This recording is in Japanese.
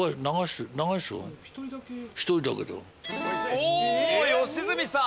おお良純さん！